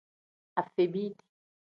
Afebiiti.